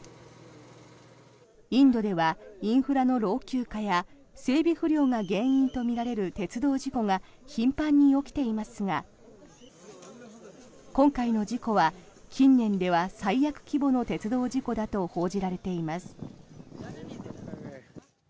インドではインフラの老朽化や整備不良が原因とみられる鉄道事故が頻繁に起きていますが今回の事故は近年では最悪規模の鉄道事故だと報じられています。